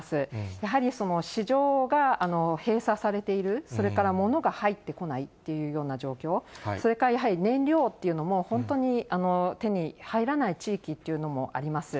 やはり市場が閉鎖されている、それから物が入ってこないというような状況、それからやはり燃料っていうのも、本当に手に入らない地域というのもあります。